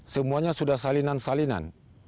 semuanya sudah salinan salinan